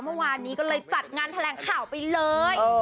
เมื่อวานนี้ก็เลยจัดงานแถลงข่าวไปเลย